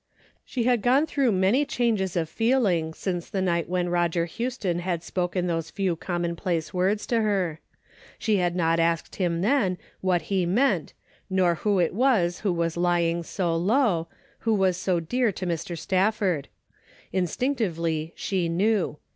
She had gone through many changes of feeling since the night when Roger Houston had spoken those few commonplace words to her. She had not asked him then what he meant, nor who it was who was lying so low, who was so dear to Mr. Stafford. Instinctively she knew.